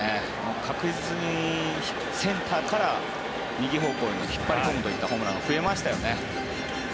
確実にセンターから右方向に引っ張り込むというホームランが増えましたよね。